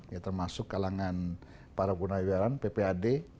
ya termasuk kalangan para gunawidaraan ppad